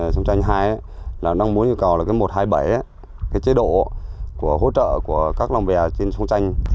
sông chanh hai đang muốn nhu cầu một hai bảy chế độ hỗ trợ của các lòng bè trên sông chanh